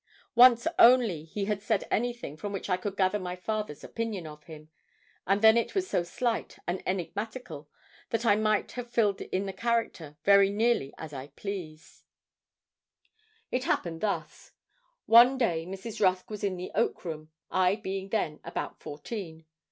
Once only he had said anything from which I could gather my father's opinion of him, and then it was so slight and enigmatical that I might have filled in the character very nearly as I pleased. It happened thus. One day Mrs. Rusk was in the oak room, I being then about fourteen.